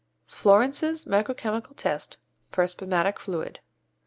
_Florence's Micro Chemical Test for Spermatic Fluid.